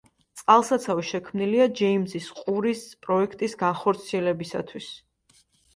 წყალსაცავი შექმნილია ჯეიმზის ყურის პროექტის განხორციელებისათვის.